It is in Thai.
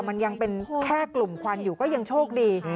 มันยังเป็นแค่กลุ่มควันอยู่ก็ยังโชคดี